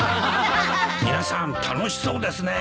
・皆さん楽しそうですね。